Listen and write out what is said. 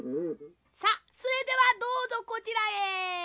さっそれではどうぞこちらへ。